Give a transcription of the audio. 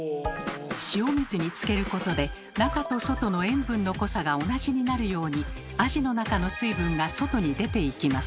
塩水につけることで中と外の塩分の濃さが同じになるようにアジの中の水分が外に出ていきます。